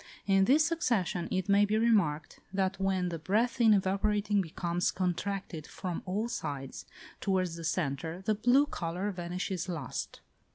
In this succession it may be remarked, that when the breath in evaporating becomes contracted from all sides towards the centre, the blue colour vanishes last.